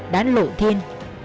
đán lộ thiên